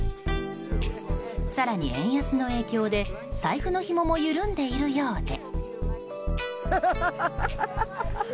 更に円安の影響で財布のひもも緩んでいるようで。